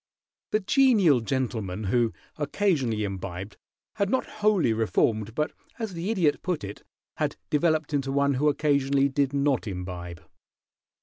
The genial gentleman who occasionally imbibed had not wholly reformed, but, as the Idiot put it, had developed into one who occasionally did not imbibe.